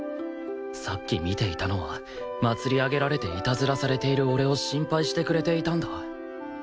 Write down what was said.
さっき見ていたのは祭り上げられてイタズラされている俺を心配してくれていたんだ